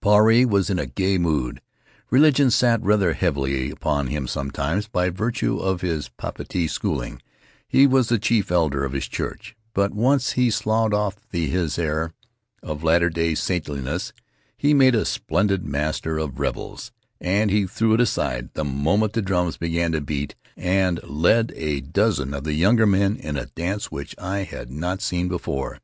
Puarei was in a gay mood. Religion sat rather heavily upon him sometimes — by virtue of his Papeete schooling, he was the chief elder of his church; but once he sloughed off his air of Latter Day Saintliness he made a splendid master of revels; and he threw it aside the moment the drums began to beat, and led a dozen of the younger men in a dance which I had not seen before.